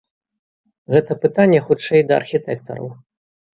Гэта пытанне хутчэй да архітэктараў.